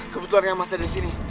kebetulan kamas ada disini